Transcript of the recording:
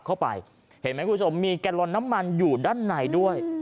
เข้าไปเห็นไหมคุณผู้ชมมีแกลลอนน้ำมันอยู่ด้านในด้วย